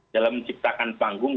dalam menciptakan panggung